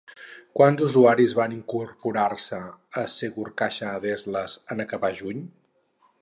Quants usuaris van incorporar-se a SegurCaixa Adeslas en acabar juny?